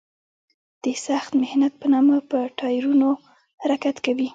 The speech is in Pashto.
د سخت محنت په نامه په ټایرونو حرکت کوي.